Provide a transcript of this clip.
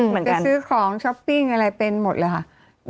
จะซื้อของซัพปิ้งอะไรเป็นหมดหรือค่ะ